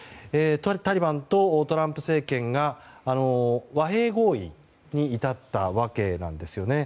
タリバンとトランプ政権が和平合意に至ったわけなんですよね。